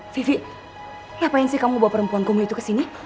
vivi ngapain sih kamu bawa perempuan kamu itu kesini